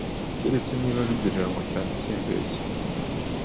Keretse niba bigereranywa cyane simbeshya